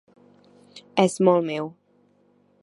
És molt meu.